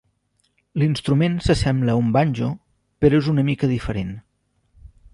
L'instrument s'assembla a un banjo però és una mica diferent.